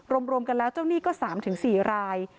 รวมกันแล้วเจ้าหนี้ก็๓๔ราย